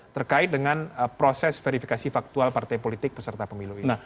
terkait dengan proses verifikasi faktual partai politik peserta pemilu ini